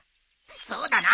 そうだな！